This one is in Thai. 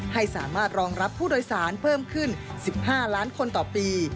ให้สามารถรองรับผู้โดยสารเพิ่มขึ้น๑๕ล้านคนต่อปี